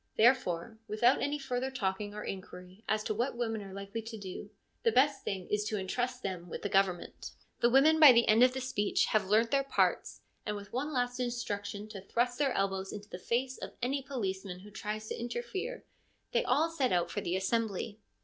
Therefore, without any further talking or inquiry as to what women are likely to do, the best thing is to entrust them with the government. The women by the end of the speech have learnt their parts, and with one last instruction to thrust their elbows into the face of any policeman who tries to interfere they all set out for the assembly.